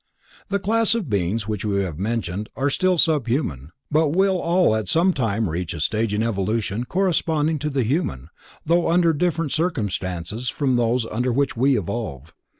The classes of beings which we have mentioned are still sub human, but will all at some time reach a stage in evolution corresponding to the human, though under different circumstances from those under which we evolve.